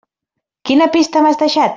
Quina pista m'has deixat?